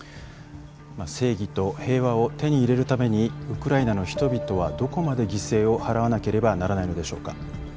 正義と平和を手に入れるためにウクライナの人々はどこまで犠牲を払わなければならないのでしょうか。